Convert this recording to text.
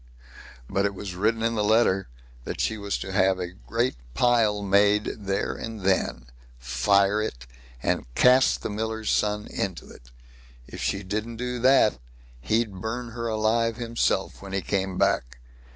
But it was written in the letter, that she was to have a great pile made there and then, fire it, and cast the miller's son into it. If she didn't do that, he'd burn her alive himself when he came back.